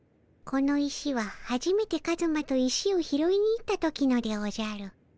この石ははじめてカズマと石を拾いに行った時のでおじゃる。